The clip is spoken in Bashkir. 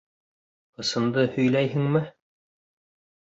Ысынды һөйләйһеңме?